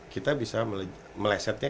kita bisa melesetnya